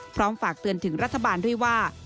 ฝากเตือนถึงรัฐบาลด้วยว่า